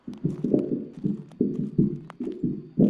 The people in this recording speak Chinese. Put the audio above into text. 巴萨德冲压发动机中被提及而广为所知。